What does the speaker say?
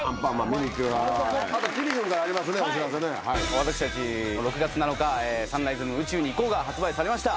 私たち６月７日、サンライズムーン宇宙に行こうが発売されました。